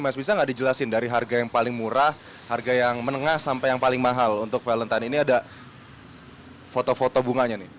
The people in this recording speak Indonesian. mas bisa nggak dijelasin dari harga yang paling murah harga yang menengah sampai yang paling mahal untuk valentine ini ada foto foto bunganya nih